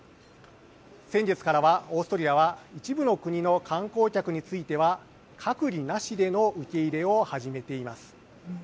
先月からはオーストリアは一部の国の観光客については隔離なしでの受け入れを始めています。